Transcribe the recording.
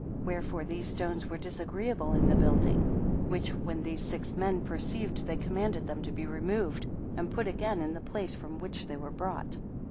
Wherefore these stones were disagreeable in the building; which, when these six men perceived they commanded them to be removed, and put again in the place from which they were brought.